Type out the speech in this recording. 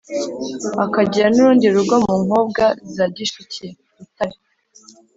akagira n'urundi rugo mu nkobwa za gishike (butare).